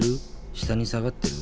下に下がってる？